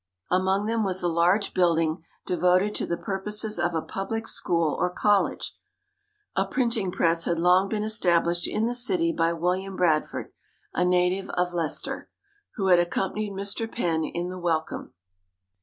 Among them was a large building devoted to the purposes of a public school or college. A printing press had long been established in the city by William Bradford, a native of Leicester, who had accompanied Mr Penn in the "Welcome."